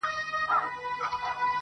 د خپل جېبه د سگريټو يوه نوې قطۍ وا کړه.